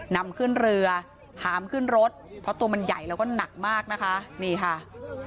นำขึ้นเรือหามขึ้นรถเพราะตัวมันใหญ่แล้วก็หนักมากนะคะนี่ค่ะ